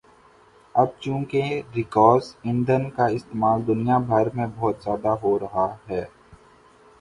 اب چونکہ رکاز ایندھن کا استعمال دنیا بھر میں بہت زیادہ ہورہا ہے